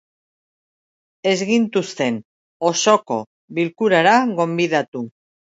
Ez gintuzten osoko bilkurara gonbidatu.